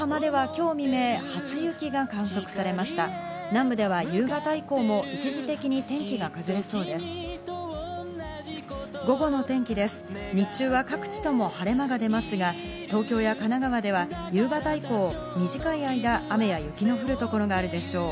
日中は各地とも晴れ間が出ますが、東京や神奈川では夕方以降、短い間、雨や雪の降る所があるでしょう。